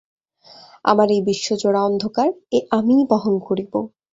আমার এই বিশ্বজোড়া অন্ধকার, এ আমিই বহন করিব।